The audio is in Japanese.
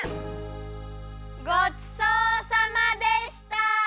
ごちそうさまでした！